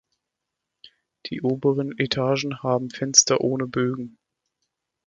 Die oberen Etagen haben Fenster ohne Bögen.